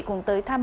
cùng tới thăm